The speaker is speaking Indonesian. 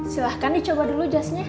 silahkan dicoba dulu jasnya